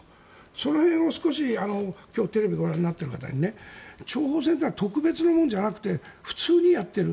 その辺を少し、今日テレビをご覧になっている方に諜報戦というのは特別なものじゃなくて普通にやっている。